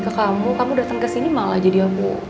ke kamu kamu dateng kesini malah jadi aku